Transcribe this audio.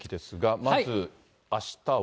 まず、あしたは。